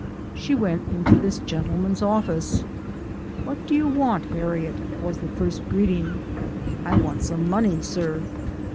She went into this gentleman's office. " What do you want, Harriet ?" was the first greeting. " I want some money, sir."